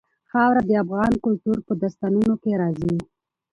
خاوره د افغان کلتور په داستانونو کې راځي.